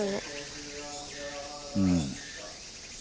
うん。